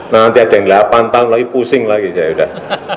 nanti ada yang delapan tahun lagi pusing lagi saya udah